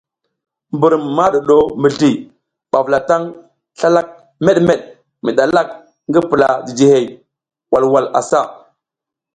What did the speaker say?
Mbur ma ɗuɗo mizli ɓa vulataŋ slalak meɗmeɗ mi ɗalak ngi pula jijihey walwal asa.